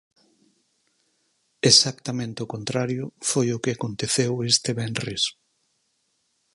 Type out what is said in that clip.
Exactamente o contrario foi o que aconteceu este venres.